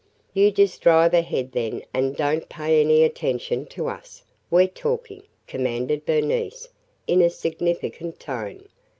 "You just drive ahead then and don't pay any attention to us: we 're talking!" commanded Bernice in a significant tone.